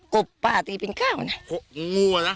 กบป้าตีเป็นเก้านะงูอ่ะนะ